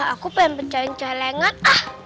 aku pengen pencahayaan celengan